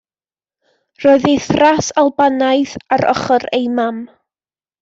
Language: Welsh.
Roedd ei thras Albanaidd ar ochr ei mam.